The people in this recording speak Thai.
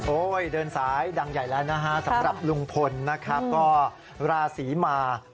เดินสายดังใหญ่แล้วนะฮะสำหรับลุงพลนะครับก็ราศีมา